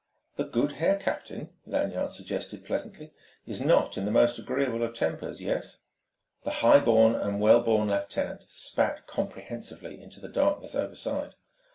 "The good Herr Captain," Lanyard suggested pleasantly, "is not in the most agreeable of tempers, yes?" The high and well born lieutenant spat comprehensively into the darkness overside.